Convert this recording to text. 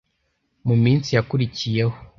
Mu minsi yakurikiyeho,